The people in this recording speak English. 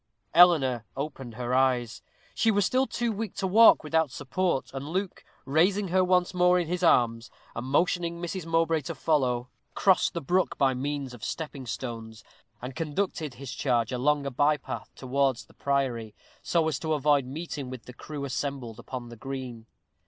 Eleanor opened her eyes. She was still too weak to walk without support, and Luke, raising her once more in his arms, and motioning Mrs. Mowbray to follow, crossed the brook by means of stepping stones, and conducted his charge along a bypath towards the priory, so as to avoid meeting with the crew assembled upon the green.